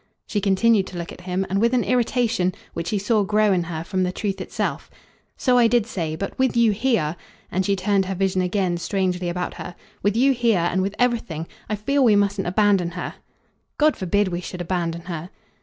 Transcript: She continued to look at him, and with an irritation, which he saw grow in her, from the truth itself. "So I did say. But, with you here" and she turned her vision again strangely about her "with you here, and with everything, I feel we mustn't abandon her." "God forbid we should abandon her."